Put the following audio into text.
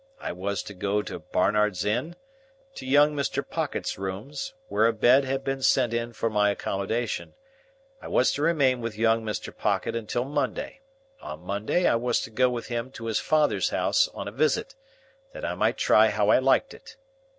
I was to go to "Barnard's Inn," to young Mr. Pocket's rooms, where a bed had been sent in for my accommodation; I was to remain with young Mr. Pocket until Monday; on Monday I was to go with him to his father's house on a visit, that I might try how I liked it.